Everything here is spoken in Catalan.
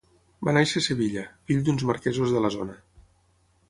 Va néixer a Sevilla, fill d'uns marquesos de la zona.